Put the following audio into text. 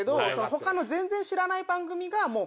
他の全然知らない番組が。